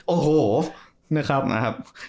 โอ้โหนะครับ